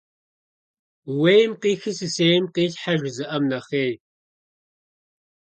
«Ууейм къихи сысейм къилъхьэ» - жызыӀам нэхъей.